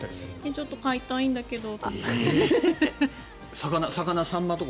ちょっと飼いたいんだけど。